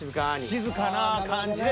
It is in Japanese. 静かな感じで。